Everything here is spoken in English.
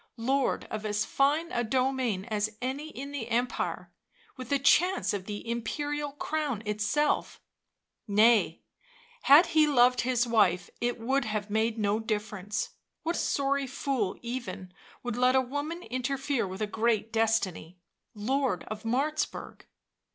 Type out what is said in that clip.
— lord of as fine a domain as any in the empire, with a chance of the imperial crown itself — nay, had he loved his wife it would have made no difference; what sorry fool even would let a woman interfere with a great destiny — Lord of Martzburg.